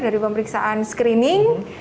dari pemeriksaan screening